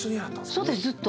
そうですずっと。